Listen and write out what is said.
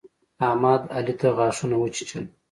احمد، علي ته غاښونه وچيچل.